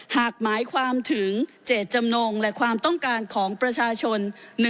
หากหมายความถึงเจตจำนงและความต้องการของประชาชน